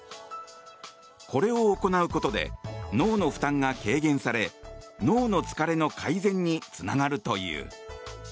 これを行うことで脳の負担が軽減され脳の疲れの改善につながるという。